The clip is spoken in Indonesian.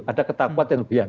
ada ketakutan dan berlebihan